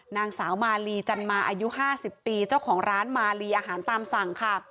นางสาวมาลีจันมาอายุ๕๐ปีเจ้าของร้านมาลีอาหารตามสั่งค่ะ